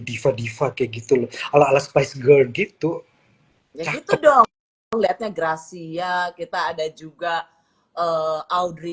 diva diva kayak gitu loh ala ala space gear gitu ya itu dong lihatnya gracia kita ada juga audrey